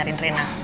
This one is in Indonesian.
tidak ada apa apa